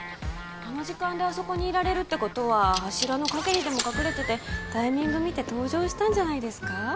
あの時間であそこにいられるってことは柱の陰にでも隠れててタイミング見て登場したんじゃないですか？